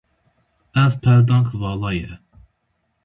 Ev peldank vala ye.